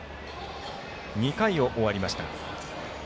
２回を終わりました。